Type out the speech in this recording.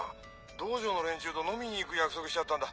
道場の連中と飲みに行く約束しちゃったんだ。